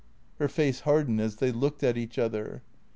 Her face hardened as they looked at each other.